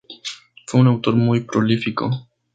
Fue un autor muy prolífico.